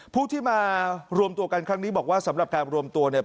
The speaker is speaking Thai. ผู้ที่มารวมตัวกันครั้งนี้บอกว่าสำหรับการรวมตัวเนี่ย